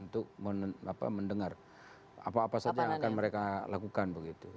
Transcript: untuk mendengar apa apa saja yang akan mereka lakukan begitu